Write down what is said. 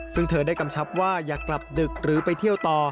ซึ่งเธอได้กำชับว่าอย่ากลับดึกหรือไปเที่ยวต่อ